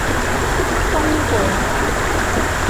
東莞